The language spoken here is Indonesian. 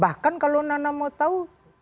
bahkan kalau nana mau tahu